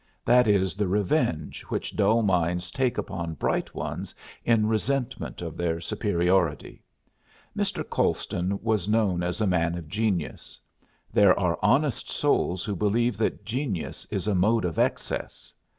That is the revenge which dull minds take upon bright ones in resentment of their superiority. Mr. Colston was known as a man of genius. There are honest souls who believe that genius is a mode of excess.